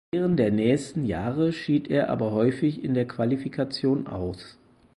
Während der nächsten Jahre schied er aber häufig in der Qualifikation aus.